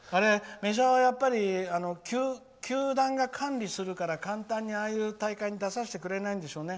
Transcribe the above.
メジャーは球団が管理するから簡単に、ああいう大会に出させてくれないんでしょうね。